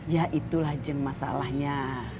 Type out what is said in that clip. ya itulah jeng masalahnya